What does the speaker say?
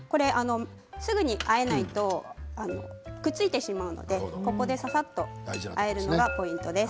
すぐにあえないとくっついてしまうのでここでささっとあえるの、ポイントです。